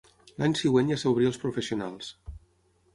L'any següent ja s'obrí als professionals.